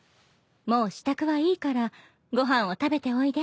もう支度はいいからご飯を食べておいで。